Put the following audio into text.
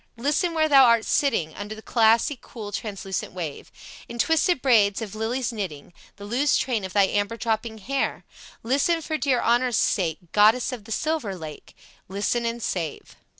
Listen where thou art sitting Under the glassy, cool, translucent wave In twisted braids of lilies knitting The loose train of thy amber dropping hair; Listen for dear honor's sake, Goddess of the silver lake! Listen and save."